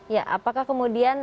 ya apakah kemudian